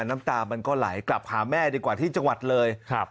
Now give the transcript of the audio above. น้ำตามันก็ไหลกลับหาแม่ดีกว่าที่จังหวัดเลยครับ